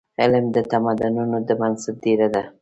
علم د تمدنونو د بنسټ ډبره ده.